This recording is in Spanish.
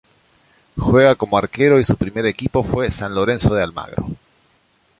Juega como arquero y su primer equipo fue San Lorenzo de Almagro.